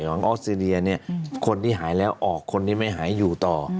ออสเตรเลียเนี่ยคนที่หายแล้วออกคนที่ไม่หายอยู่ต่อ